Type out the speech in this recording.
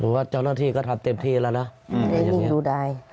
ว่าเจ้าหน้าที่ก็ทำเต็มทีแล้วนะ